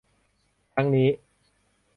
ทั้งนี้